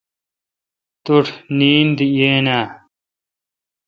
توٹھ نیند یین آں؟.